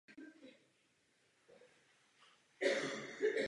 Studoval na gymnáziu v Moravské Třebové a posléze bohosloveckou fakultu v Olomouci.